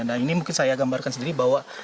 nah ini mungkin saya gambarkan sendiri bahwa